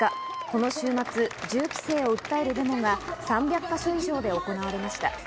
この週末、銃規制を訴えるデモが３００か所以上で行われました。